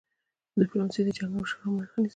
ډيپلوماسي د جنګ او شخړې مخه نیسي.